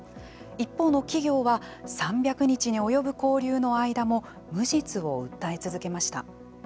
一方の企業は、３００日に及ぶ勾留の間も無実を訴え続けました。